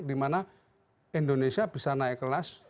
dimana indonesia bisa naik kelas